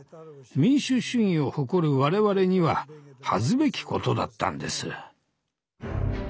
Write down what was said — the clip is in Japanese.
民主主義を誇る我々には恥ずべきことだったんです。